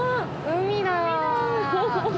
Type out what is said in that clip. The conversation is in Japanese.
海だ！